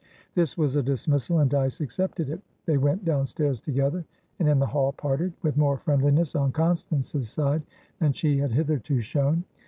This was a dismissal, and Dyce accepted it. They went downstairs together, and in the hall parted, with more friendliness on Constance's side than she had hitherto shown.